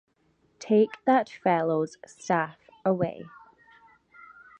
Take that fellow’s staff away.